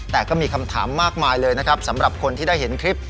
แต่ก็มีคำถามมากมายเลยนะครับสำหรับคนที่ได้เห็นคลิป